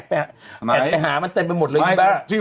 ออกรายการได้เปล่าเนี่ย